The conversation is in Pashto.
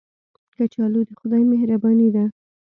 کچالو د خدای مهرباني ده